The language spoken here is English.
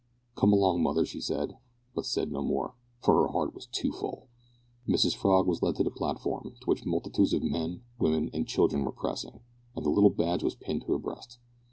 "Come along, mother," she said but said no more, for her heart was too full. Mrs Frog was led to the platform, to which multitudes of men, women, and children were pressing, and the little badge was pinned to her breast.